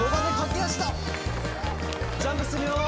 ジャンプするよ！